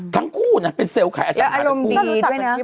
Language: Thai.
ทั้งคู่นะเป็นเซลล์ขายอสังหารทั้งคู่